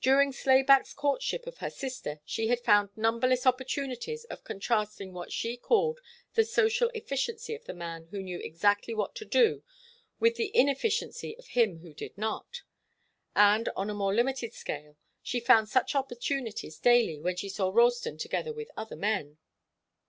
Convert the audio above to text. During Slayback's courtship of her sister she had found numberless opportunities of contrasting what she called the social efficiency of the man who knew exactly what to do with the inefficiency of him who did not; and, on a more limited scale, she found such opportunities daily when she saw Ralston together with other men.